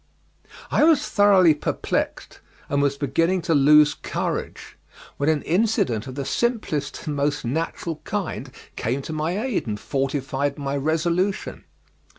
I was thoroughly perplexed, and was beginning to lose courage, when an incident of the simplest and most natural kind came to my aid and fortified my resolution.